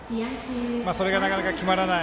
それがなかなか、決まらない。